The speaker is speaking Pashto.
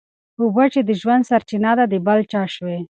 اوبه چي د ژوند سرچینه ده د بل چا شوې.